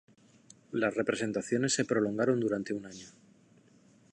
Las representaciones se prolongaron durante un año.